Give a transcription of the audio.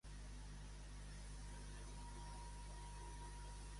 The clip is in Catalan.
Més tard, què és el que aquest li va atorgar a Hipòtou?